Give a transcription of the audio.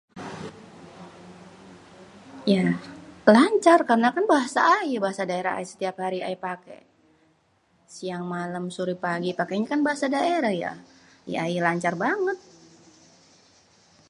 Ya, lah lancar karna kan bahasa ayé. Bahasa daerah ayé setiap hari ayé pake siang, malem, sore, pagi kan pakenye bahasa daerah ya ayé lancar banget.